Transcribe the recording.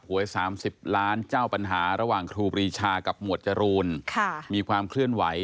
วย๓๐ล้านเจ้าปัญหาระหว่างครูปรีชากับหมวดจรูนมีความเคลื่อนไหว